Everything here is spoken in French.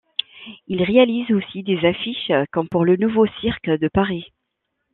Il réalise aussi des affiches comme pour le Nouveau Cirque de Paris.